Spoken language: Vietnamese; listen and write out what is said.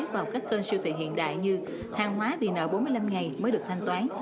vào các kênh siêu thị hiện đại như hàng hóa vì nợ bốn mươi năm ngày mới được thanh toán